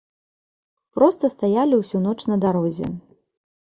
Проста стаялі ўсю ноч на дарозе.